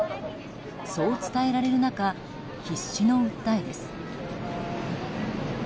そう伝えられる中必死の訴えです。